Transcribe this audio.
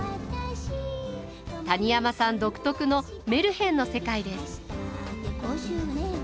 谷山さん独特のメルヘンの世界です。